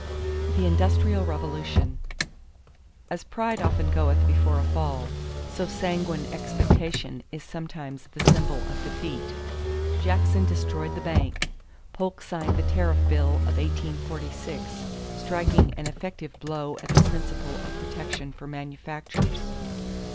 THE INDUSTRIAL REVOLUTION As pride often goeth before a fall, so sanguine expectation is sometimes the symbol of defeat. Jackson destroyed the bank. Polk signed the tariff bill of 1846 striking an effective blow at the principle of protection for manufactures.